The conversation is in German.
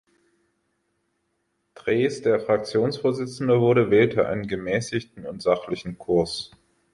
Drees, der Fraktionsvorsitzender wurde, wählte einen gemäßigten und sachlichen Kurs.